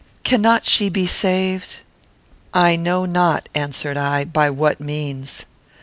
Cannot she be saved?" "I know not," answered I, "by what means."